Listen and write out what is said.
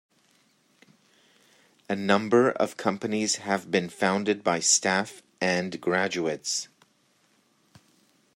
A number of companies have been founded by staff and graduates.